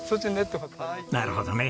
なるほどね。